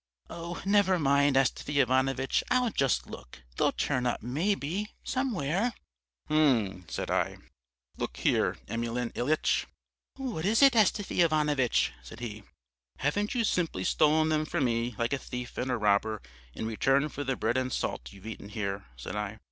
"'Oh, never mind, Astafy Ivanovitch, I'll just look. They'll turn up, maybe, somewhere.' "'H'm,' said I, 'look here, Emelyan Ilyitch!' "'What is it, Astafy Ivanovitch?' said he. "'Haven't you simply stolen them from me like a thief and a robber, in return for the bread and salt you've eaten here?' said I.